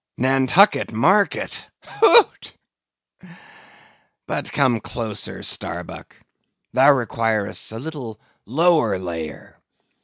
"Nantucket market! Hoot! But come closer, Starbuck; thou requirest a little lower layer.